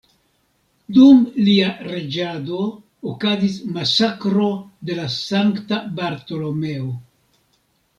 Dum lia reĝado okazis masakro de la Sankta Bartolomeo.